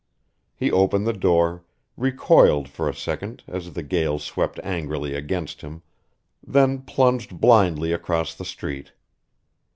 He opened the door, recoiled for a second as the gale swept angrily against him, then plunged blindly across the street.